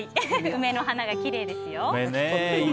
梅の花がきれいですよ。